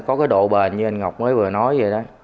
có cái độ bền như anh ngọc mới vừa nói vậy đó